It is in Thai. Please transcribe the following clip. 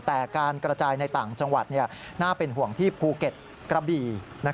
แต่การกระจายในต่างจังหวัดน่าเป็นห่วงที่ภูเก็ตกระบี่